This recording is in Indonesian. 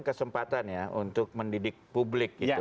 kesempatan ya untuk mendidik publik gitu